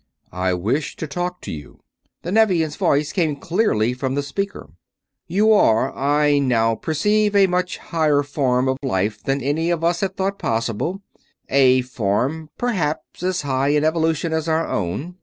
"I wish to talk to you." The Nevian's voice came clearly from the speaker. "You are, I now perceive, a much higher form of life than any of us had thought possible; a form perhaps as high in evolution as our own.